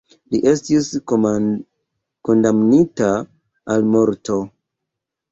Li estis kondamnita al morto.